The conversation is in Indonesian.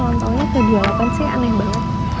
ulang tahunnya kayak diorangkan sih aneh banget